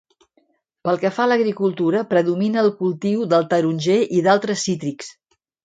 Pel que fa a l'agricultura, predomina el cultiu del taronger i d'altres cítrics.